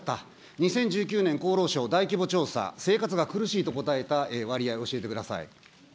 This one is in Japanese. ２０１９年、厚労省大規模調査、生活が苦しいと答えた割合教えてください。